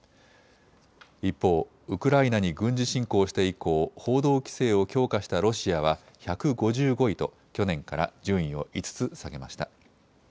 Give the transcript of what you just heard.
一方、ウクライナに軍事侵攻して以降、報道規制を強化したロシアは１５５位と去年から順位を５つ下げました。